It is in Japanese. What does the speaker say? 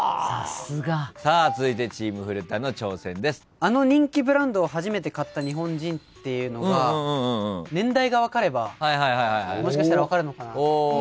あの人気ブランドを初めて買った日本人っていうのが年代が分かればもしかしたら分かるのかな。